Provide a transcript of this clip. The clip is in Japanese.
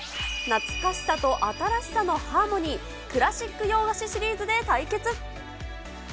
懐かしさと新しさのハーモニー、クラシック洋菓子シリーズで対決。